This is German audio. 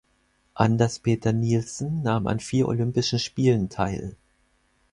Anders Peter Nielsen nahm an vier Olympischen Spielen teil.